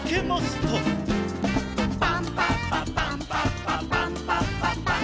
「パンパパパンパパパンパパ・パン」